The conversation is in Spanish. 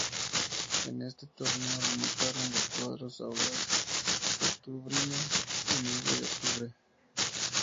En este torneo retornaron los cuadros de Audaz Octubrino y Nueve de Octubre.